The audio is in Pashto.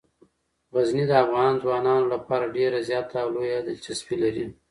غزني د افغان ځوانانو لپاره ډیره زیاته او لویه دلچسپي لري.